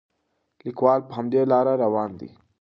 لیکوال په همدې لاره روان دی.